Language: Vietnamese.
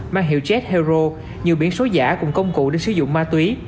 mang hiệu jet hero nhiều biển số giả cùng công cụ để sử dụng ma túy